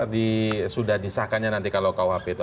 di sudah disahkannya nanti kalau kuhp itu